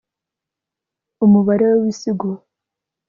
umubare w'ibisigo